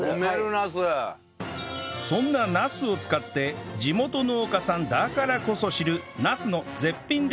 そんなナスを使って地元農家さんだからこそ知るナスの絶品レシピを学びます！